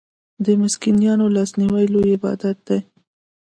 د مسکینانو لاسنیوی لوی عبادت دی.